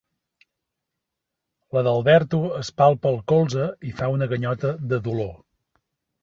L'Adalberto es palpa el colze i fa una ganyota de dolor.